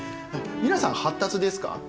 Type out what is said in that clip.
皆さん発達ですか？